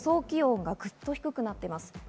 気温がグッと低くなっています。